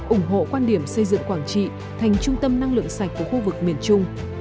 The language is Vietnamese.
ủng hộ quan điểm xây dựng quảng trị thành trung tâm năng lượng sạch của khu vực miền trung